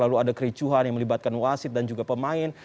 lalu ada kericuhan yang melibatkan wasit dan juga pemain